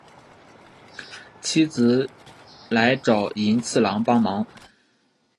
妻子来找寅次郎帮忙。